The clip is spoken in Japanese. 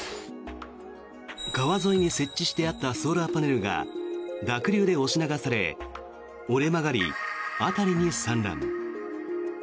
川沿いに設置してあったソーラーパネルが濁流で押し流され、折れ曲がり辺りに散乱。